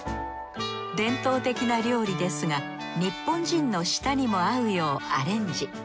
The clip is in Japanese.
伝統的な料理ですが日本人の舌にも合うようアレンジ。